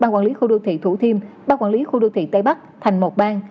ba quản lý khu đô thị thủ thiêm ba quản lý khu đô thị tây bắc thành một ban